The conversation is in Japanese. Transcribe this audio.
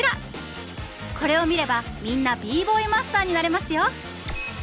これを見ればみんなＢ−Ｂｏｙマスターになれますよ！